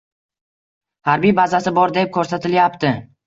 harbiy bazasi bor deb ko‘rsatilayapti.